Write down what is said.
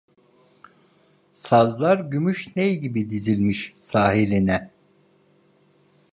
Sazlar gümüş ney gibi dizilmiş sahiline…